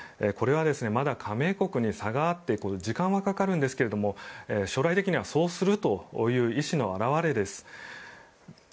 これはまだ加盟国に差があって時間はかかるんですが将来的にはそうするという意思の表れです。